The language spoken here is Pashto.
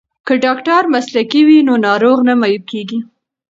که ډاکټر مسلکی وي نو ناروغ نه معیوب کیږي.